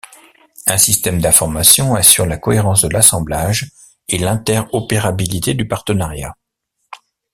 Un système d'information assure la cohérence de l'assemblage et l'interopérabilité du partenariat.